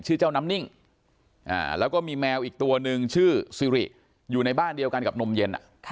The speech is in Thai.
เจ้าน้ำนิ่งแล้วก็มีแมวอีกตัวนึงชื่อซิริอยู่ในบ้านเดียวกันกับนมเย็น